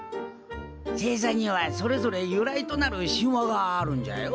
星座にはそれぞれ由来となる神話があるんじゃよ。